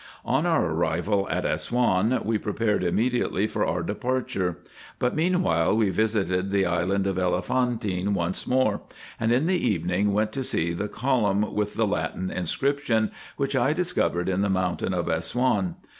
On our arrival at Assouan we prepared immediately for our departure ; but mean while we visited the island of Elephantine once more, and in the evening went to see the column with the Latin inscription, which I discovered in the mountain of Assouan.